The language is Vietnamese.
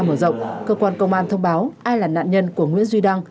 mở rộng cơ quan công an thông báo ai là nạn nhân của nguyễn duy đăng